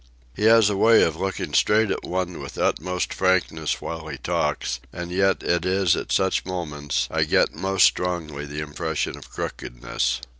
He has a way of looking straight at one with utmost frankness while he talks, and yet it is at such moments I get most strongly the impression of crookedness.